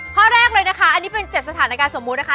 ข้อแรกเลยนะคะอันนี้เป็น๗สถานการณ์สมมุตินะคะ